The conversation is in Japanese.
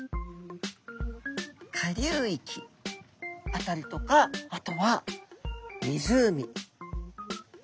下流域辺りとかあとは湖。